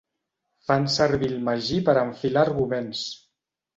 Fan servir el magí per enfilar arguments.